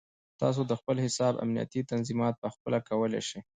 تاسو د خپل حساب امنیتي تنظیمات پخپله کولی شئ.